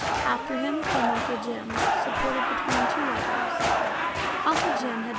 After him came Uncle Jim, supported between two others. Uncle Jim had m.